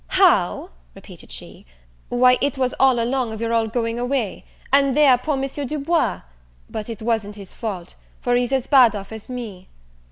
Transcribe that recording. "How!" repeated she, "why it was all along of your all going away, and there poor Monsieur Du Bois but it wasn't his fault, for he's as bad off as me."